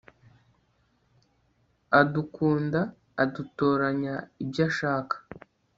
adukunda adatoranya ibyo ashaka